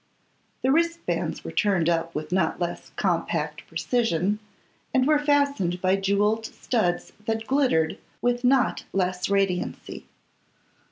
The wristbands were turned up with not less compact precision, and were fastened by jewelled studs that glittered with not less radiancy.